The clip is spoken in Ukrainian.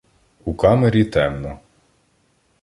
У камері темно.